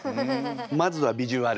まずはビジュアル。